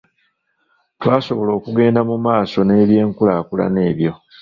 Twasobola okugenda mu maaso n’ebyenkulaakulana ebyo.